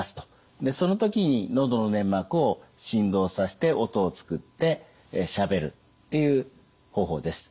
でその時に喉の粘膜を振動させて音を作ってしゃべるっていう方法です。